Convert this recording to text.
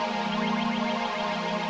sampai jumpa lagi